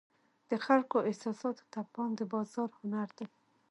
د خلکو احساساتو ته پام د بازار هنر دی.